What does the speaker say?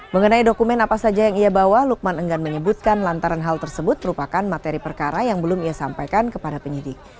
mengenai dokumen apa saja yang ia bawa lukman enggan menyebutkan lantaran hal tersebut merupakan materi perkara yang belum ia sampaikan kepada penyidik